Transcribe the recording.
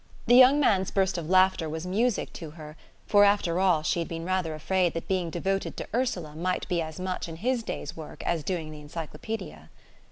The young man's burst of laughter was music to her; for, after all, she had been rather afraid that being devoted to Ursula might be as much in his day's work as doing the encyclopaedia.